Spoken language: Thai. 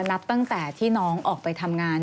นับตั้งแต่ที่น้องออกไปทำงาน